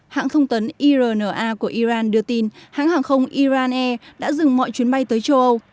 hãng thông tấn irna của iran đưa tin hãng hàng không iran air đã dừng mọi chuyến bay tới châu âu